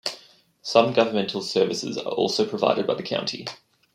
Some governmental services are also provided by the county.